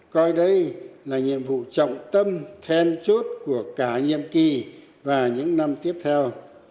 coi đây là nhiệm vụ trọng tâm then chốt của cả nhiệm kỳ và những năm tiếp theo